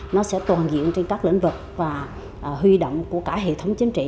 nó sẽ toàn diện trên các lĩnh vực và huy động của cả hệ thống chính trị